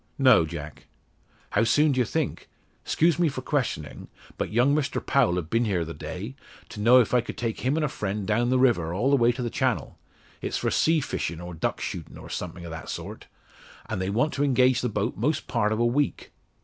"No, Jack." "How soon do you think? 'Scuse me for questionin'; but young Mr Powell have been here the day, to know if I could take him an' a friend down the river, all the way to the Channel. It's for sea fishin' or duck shootin' or somethin' o' that sort; an' they want to engage the boat most part o' a week.